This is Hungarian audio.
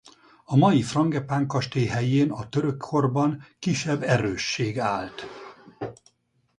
A mai Frangepán kastély helyén a török korban kisebb erősség állt.